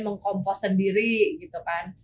mengkompos sendiri gitu kan